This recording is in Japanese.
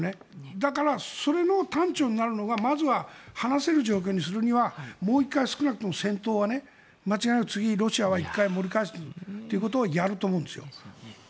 だからそれの端緒になるのがまずは話せる状況にするのはもう１回少なくとも戦闘は間違いなく次、ロシアは１回盛り返すってことをやると思うんですよ。